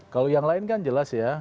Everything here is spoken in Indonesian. kalau yang lain kan jelas ya